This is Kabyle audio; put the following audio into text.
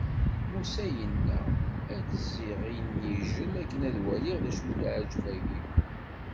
Musa yenna: ad d-zziɣ i inijel akken ad waliɣ d acu-t leɛǧeb-agi!